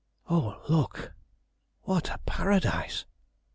Oh, look! What a paradise!